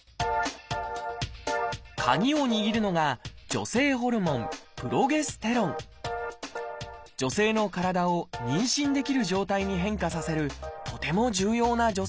カギを握るのが女性ホルモン女性の体を妊娠できる状態に変化させるとても重要な女性ホルモンです